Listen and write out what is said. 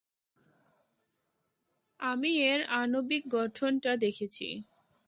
আমি এর আণবিক গঠনটা দেখেছি!